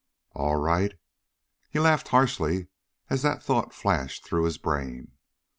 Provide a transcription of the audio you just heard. All right? He laughed harshly as that thought flashed through his brain.